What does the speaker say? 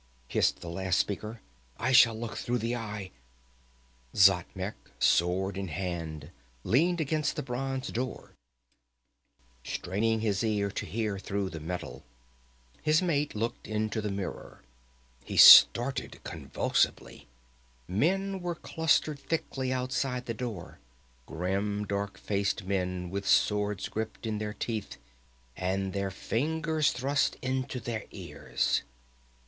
hissed the last speaker. "I shall look through the Eye " Xatmec, sword in hand, leaned against the bronze door, straining his ear to hear through the metal. His mate looked into the mirror. He started convulsively. Men were clustered thickly outside the door; grim, dark faced men with swords gripped in their teeth and their fingers thrust into their ears.